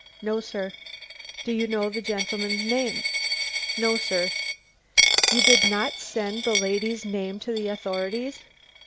"No, sir. "Do you know the gentleman's name?" "No, sir. "You did not send the lady's name to the authorities?"